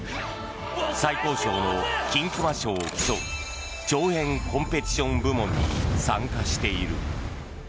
最高賞の金熊賞を競う長編コンペティション部門に参加している。